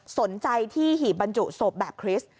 สนใจที่หีบบรรจุศพแบบคริสต์